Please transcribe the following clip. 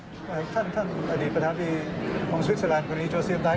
อดีตประธานดีของสวิสเตอร์แลนด์คนนี้โจเซียนไตน์